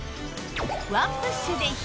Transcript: ワンプッシュで開く